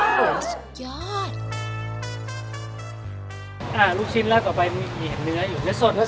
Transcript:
อ่าลูกชิ้นแล้วก่อนไปมีเห็นเนื้ออยู่เนื้อสด